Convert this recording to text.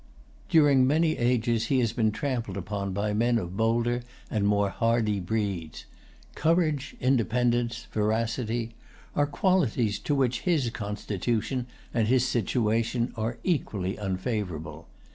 During many ages he has been trampled upon by men of bolder and more hardy breeds. Courage, independence, veracity, are qualities to which his constitution and his situation are equally unfavorable.